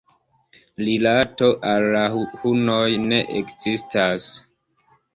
Rilato al la hunoj ne ekzistas.